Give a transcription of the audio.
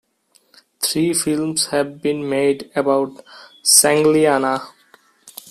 Three films have been made about Sangliana.